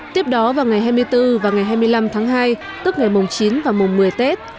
tiếp đó vào ngày hai mươi bốn và ngày hai mươi năm tháng hai tức ngày mùng chín và mùng một mươi tết